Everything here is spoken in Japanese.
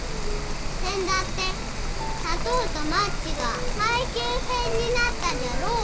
せんだって砂糖とマッチが配給制になったじゃろお。